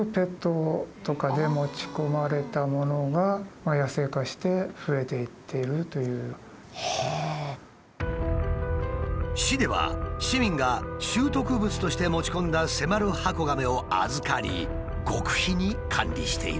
まさかカメだけに市では市民が拾得物として持ち込んだセマルハコガメを預かり極秘に管理している。